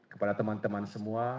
kepada teman teman semua